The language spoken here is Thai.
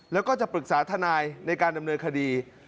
แล้วก็จะปรึกษาทนายในการดำเนินคดี